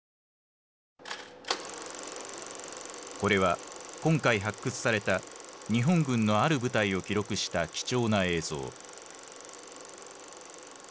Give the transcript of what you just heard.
これは今回発掘された日本軍のある部隊を記録した貴重な映像。